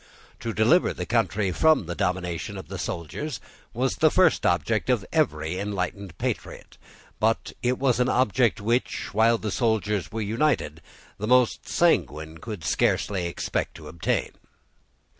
To deliver the country from the domination of the soldiers was the first object of every enlightened patriot: but it was an object which, while the soldiers were united, the most sanguine could scarcely expect to attain.